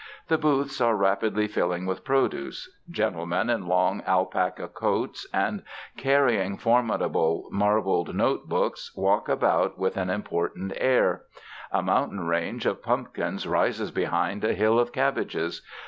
The booths are rapidly filling with produce. Gentlemen in long alpaca coats and carrying formidable marbled note books walk about with an important air. A mountain range of pumpkins rises behind a hill of cabbages.